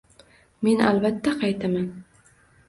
Men, albatta, qaytaman